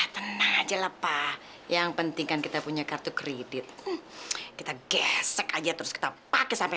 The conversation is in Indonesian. tenang aja lah pak yang penting kan kita punya kartu kredit kita gesek aja terus kita pakai sampai